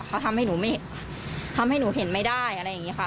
เขาทำให้หนูเห็นไม่ได้อะไรอย่างนี้ค่ะ